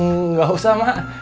nggak usah mak